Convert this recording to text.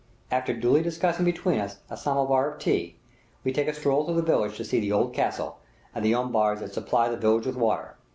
After duly discussing between us a samovar of tea, we take a stroll through the village to see the old castle, and the umbars that supply the village with water.